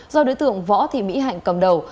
do đối tượng võ thị mỹ hạnh cầm đầu